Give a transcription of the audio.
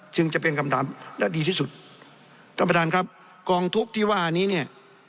จึงจะเป็นคำถามและดีที่สุดท่านประธานครับกองทุกข์ที่ว่านี้เนี่ย